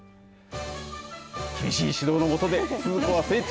厳しい指導の下で鈴子は成長。